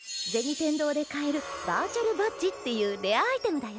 天堂で買えるバーチャルバッジっていうレアアイテムだよ。